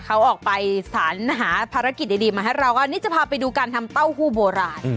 เขาออกไปสถานหาภารกิจดีมาให้เราอันนี้จะพาไปดูการทำเต้าหู้โบราณ